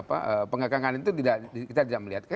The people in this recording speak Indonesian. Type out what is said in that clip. pengekangan itu kita tidak melihat